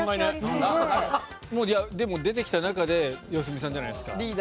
もうでも出てきた中で良純さんじゃないですか？